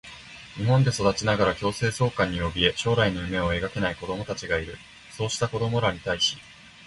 日本で育ちながら強制送還におびえ、将来の夢を描けない子どもたちがいる。そうした子どもらに対し、